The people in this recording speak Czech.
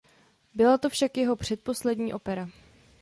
Byla to však jeho předposlední opera.